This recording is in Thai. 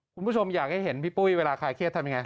คุณผู้ชมอยากให้เห็นพี่ปุ้ยเวลาคลายเครียดทำยังไง